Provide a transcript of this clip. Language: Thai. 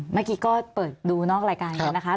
เมื่อกี้ก็เปิดดูนอกรายการกันนะคะ